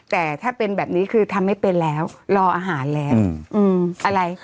แต่ถ้าเป็นแบบนี้คือทำไม่เป็นแล้วรออาหารแล้วอะไร